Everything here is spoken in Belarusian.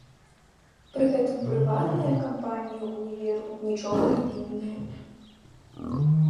Пры гэтым прыватныя кампаніі ўніверу нічога не вінныя.